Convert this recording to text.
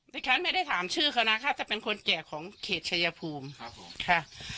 ดิฉันไม่ได้ถามชื่อเขานะคะจะเป็นคนแก่ของเขตชายภูมิครับผมค่ะ